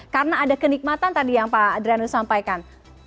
karena ada kenikmatan tadi yang pak adriano sampaikan